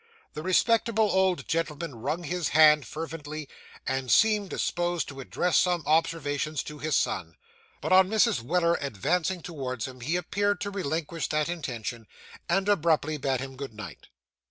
The respectable old gentleman wrung his hand fervently, and seemed disposed to address some observation to his son; but on Mrs. Weller advancing towards him, he appeared to relinquish that intention, and abruptly bade him good night.